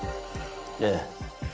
ええ。